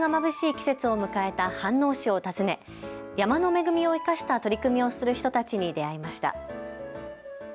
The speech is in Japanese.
季節を迎えた飯能市を訪ね、山の恵みを生かした取り組みをする人たちに出会いました。